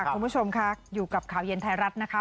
คุณผู้ชมค่ะอยู่กับข่าวเย็นไทยรัฐนะคะ